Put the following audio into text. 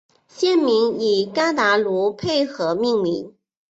县名以瓜达卢佩河命名。